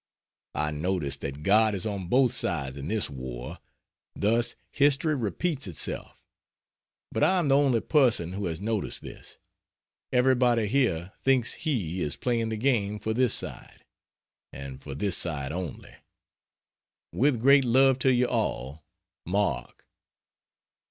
I notice that God is on both sides in this war; thus history repeats itself. But I am the only person who has noticed this; everybody here thinks He is playing the game for this side, and for this side only. With great love to you all MARK.